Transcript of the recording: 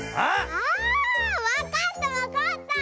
あわかったわかった。